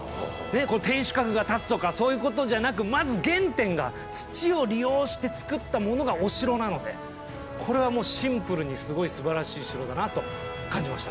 天守閣が建つとかそういうことじゃなくまず原点が土を利用して造ったものがお城なのでこれはもうシンプルにすごいすばらしい城だなと感じました。